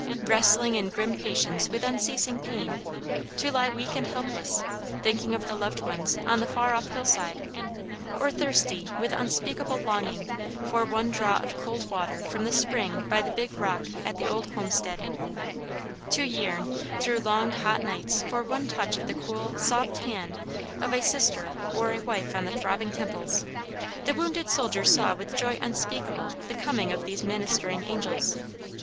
Wrestling in grim patience with unceasing pain; to lie weak and helpless, thinking of the loved ones on the far off hillside, or thirsty with unspeakable longing for one draught of cold water from the spring by the big rock at the old homestead; to yearn, through long, hot nights, for one touch of the cool, soft hand of a sister or a wife on the throbbing temples, the wounded soldier saw with joy unspeakable the coming of these ministering angels.